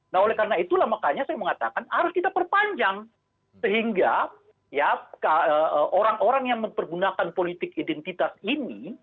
nah oleh karena itulah makanya saya mengatakan harus kita perpanjang sehingga ya orang orang yang mempergunakan politik identitas ini